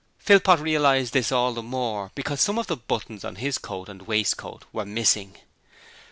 Philpot realized this all the more because some of the buttons on his coat and waistcoat were missing.